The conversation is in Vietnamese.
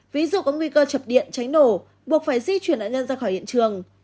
ví dụ có nguy cơ chập điện cháy nổ buộc phải di chuyển nạn nhân ra khỏi hiện trường